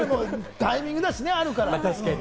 タイミングもあるから。